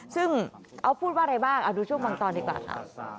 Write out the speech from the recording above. ซึ่งเขาพูดว่าอะไรบ้างเอาดูช่วงบางตอนดีกว่าค่ะ